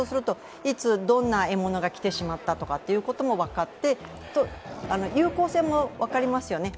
いつ、どんな獲物が来てしまったとかっていうことも分かって有効性も分かりますよね。